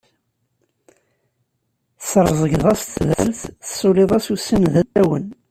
Tesreẓgeḍ-as tudert, tessuliḍ-as ussan d asawen.